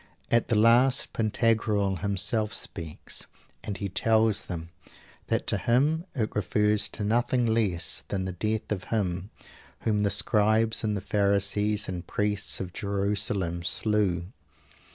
At the last Pantagruel himself speaks; and he tells them that to him it refers to nothing less than the death of Him whom the Scribes and Pharisees and Priests of Jerusalem slew.